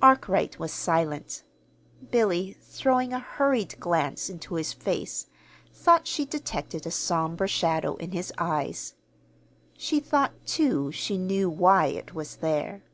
Arkwright was silent. Billy, throwing a hurried glance into his face, thought she detected a somber shadow in his eyes. She thought, too, she knew why it was there.